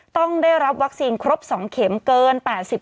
ต้องได้รับวัคซีนครบ๒เข็มเกิน๘๐